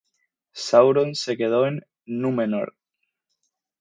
Sauron se quedó en Númenor.